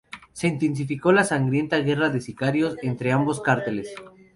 Se intensificó la sangrienta guerra de sicarios entre ambos carteles.